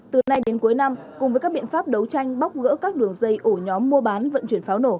từ nay đến cuối năm cùng với các biện pháp đấu tranh bóc gỡ các đường dây ổ nhóm mua bán